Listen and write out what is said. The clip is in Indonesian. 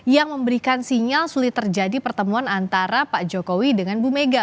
yang memberikan sinyal sulit terjadi pertemuan antara pak jokowi dengan bu mega